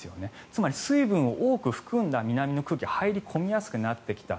つまり水分を多く含んだ南の空気が入り込みやすくなってきた。